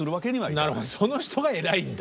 なるほどその人が偉いんだ。